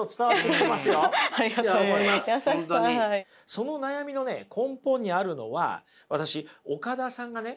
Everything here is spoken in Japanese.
その悩みのね根本にあるのは私岡田さんがね